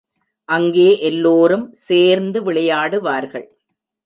அங்கே எல்லோரும் சேர்ந்து விளையாடுவார்கள்.